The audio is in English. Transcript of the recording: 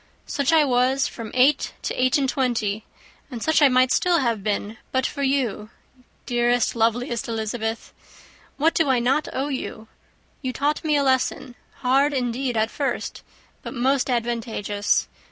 Such I was, from eight to eight and twenty; and such I might still have been but for you, dearest, loveliest Elizabeth! What do I not owe you! You taught me a lesson, hard indeed at first, but most advantageous.